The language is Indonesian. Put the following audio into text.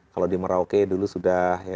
kalau di merauke dulu sudah